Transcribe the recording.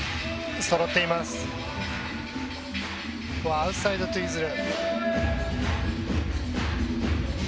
アウトサイドツイズル。